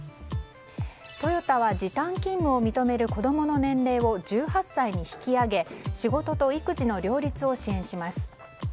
トヨタは時短勤務を認める子供の年齢を１８歳に引き上げ仕事と育児の両立を支援します。